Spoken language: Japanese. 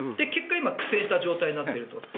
結果、今苦戦した状況になっていると。